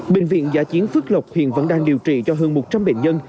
bệnh viện giã chiến phước lộc hiện vẫn đang điều trị cho hơn một trăm linh bệnh nhân